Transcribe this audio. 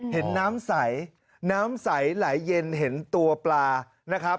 เห็นน้ำใสน้ำใสไหลเย็นเห็นตัวปลานะครับ